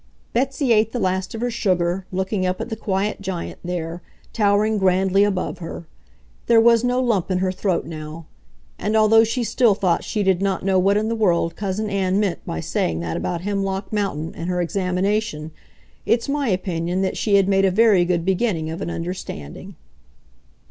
Betsy ate the last of her sugar, looking up at the quiet giant there, towering grandly above her. There was no lump in her throat now. And, although she still thought she did not know what in the world Cousin Ann meant by saying that about Hemlock Mountain and her examination, it's my opinion that she had made a very good beginning of an understanding.